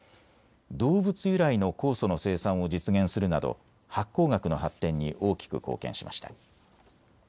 動物由来の酵素の生産を実現するなど発酵学の発展に大きく貢献しました。